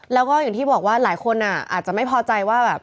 แล้วก็อย่างที่บอกว่าหลายคนอาจจะไม่พอใจว่าแบบ